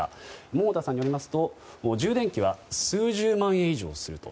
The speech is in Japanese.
桃田さんによりますと充電器は数十万円以上すると。